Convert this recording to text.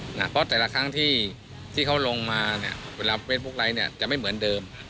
เพราะแต่ละครั้งที่เขาลงมาเนี่ยเวลาเฟซบุ๊คไลค์เนี่ยจะไม่เหมือนเดิม